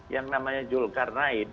yang namanya julkar naid